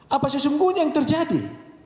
apa sesungguhnya yang terjadi